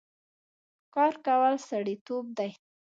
کار کول سړيتوب دی